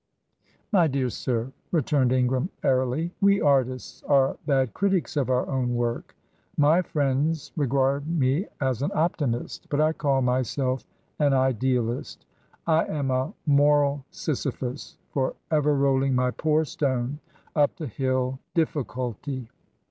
"My dear sir," returned Ingram, airily, "we artists are bad critics of our own work. My friends regard me as an optimist, but I call myself an Idealist. I am a moral Sisyphus, for ever rolling my poor stone up the hill difficulty."